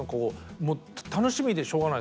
もう楽しみでしょうがない？